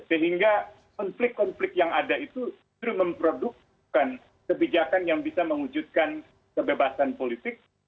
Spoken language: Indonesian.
sehingga konflik konflik yang ada itu memprodukkan kebijakan yang bisa mengujudkan kebebasan politik